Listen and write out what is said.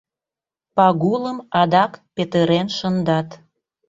Пагулым адак петырен шындат.